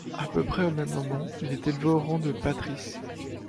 À peu près au même moment, il est élevé au rang de patrice.